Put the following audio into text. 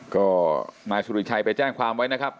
ก็มาสุริชัยไปแจ้งความว่า